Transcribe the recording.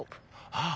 ああ！